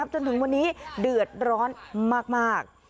จนถึงวันนี้เดือดร้อนมาก